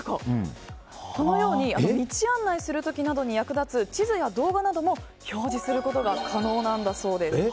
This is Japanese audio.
このように道案内する時などに役立つ地図や動画なども表示することが可能なんだそうです。